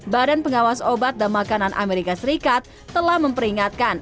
badan pengawas obat dan makanan amerika serikat telah memperingatkan